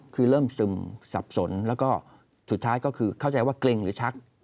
คือเริ่มซึมสับสนแล้วก็สุดท้ายก็คือเข้าใจว่าเกร็งหรือชัก